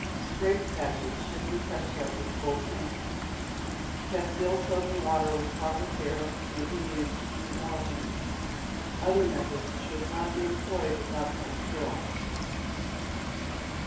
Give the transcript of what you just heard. Scraped patches should be touched up with gold paint. Castile soap and water, with proper care, may be used to clean oil paintings. Other methods should not be employed without some skill.